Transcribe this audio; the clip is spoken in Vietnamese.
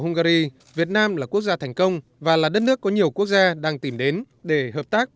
hungary việt nam là quốc gia thành công và là đất nước có nhiều quốc gia đang tìm đến để hợp tác